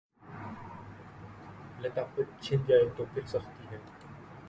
لطافت چھن جائے تو پھر سختی ہے۔